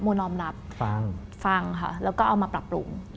มูลออมรับฟังค่ะแล้วก็เอามาปรับปรุง